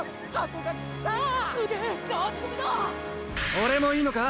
オレもいいのか